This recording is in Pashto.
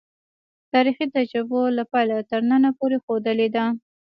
تاریخي تجربو له پیله تر ننه پورې ښودلې.